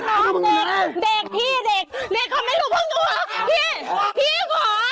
พี่ผมหนูกราบพี่พี่ผมหนูกราบพี่พี่